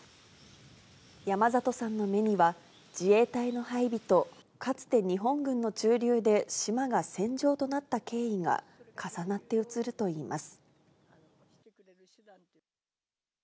山里さんの目には、自衛隊の配備と、かつて日本軍の駐留で島が戦場となった経緯が重なって映るといいます。